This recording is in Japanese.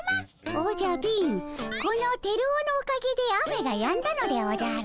おじゃ貧このテルオのおかげで雨がやんだのでおじゃる。